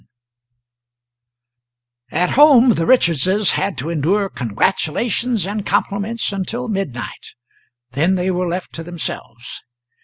IV. At home the Richardses had to endure congratulations and compliments until midnight. Then they were left to themselves.